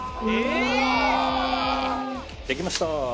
できました。